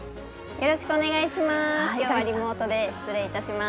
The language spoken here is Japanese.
よろしくお願いします。